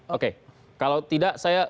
oke kalau tidak